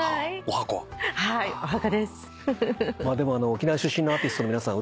沖縄出身のアーティストの皆さん